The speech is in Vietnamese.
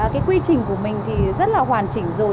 cái quy trình của mình thì rất là hoàn chỉnh rồi